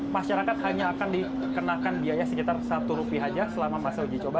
masyarakat hanya akan dikenakan biaya sekitar rp satu saja selama masa uji coba